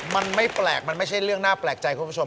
มันไม่แปลกมันไม่ใช่เรื่องน่าแปลกใจคุณผู้ชม